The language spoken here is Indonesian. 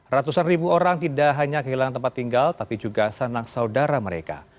ratusan ribu orang tidak hanya kehilangan tempat tinggal tapi juga sanak saudara mereka